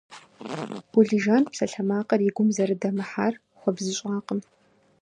Гулижан псалъэмакъыр и гум зэрыдэмыхьэр хуэбзыщӀакъым.